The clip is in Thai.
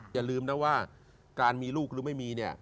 อย่าลืมนะว่าการมีลูกหรือไม่มีเนี่ย